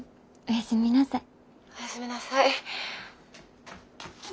おやすみなさい。